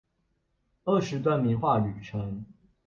二十段名畫旅程